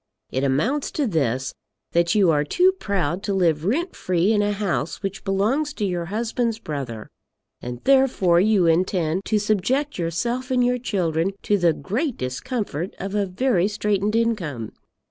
It amounts to this, that you are too proud to live rent free in a house which belongs to your husband's brother, and therefore you intend to subject yourself and your children to the great discomfort of a very straitened income.